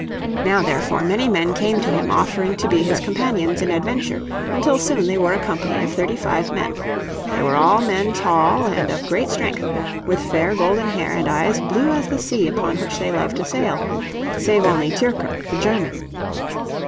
Now therefore many men came to him offering to be his companions in adventure, until soon they were a company of thirty five men. They were all men tall and of great strength, with fair golden hair and eyes blue as the sea upon which they loved to sail, save only Tyrker the German.